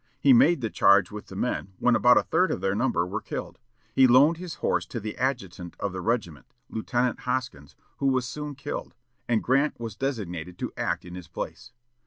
He made the charge with the men, when about a third of their number were killed. He loaned his horse to the adjutant of the regiment, Lieutenant Hoskins, who was soon killed, and Grant was designated to act in his place.